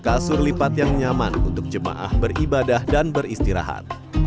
kasur lipat yang nyaman untuk jemaah beribadah dan beristirahat